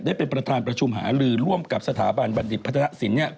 ได้เป็นประธานประชุมหาลือร่วมกับสถาบันบัณฑิตพัฒนศิลป์